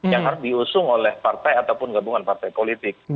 yang harus diusung oleh partai ataupun gabungan partai politik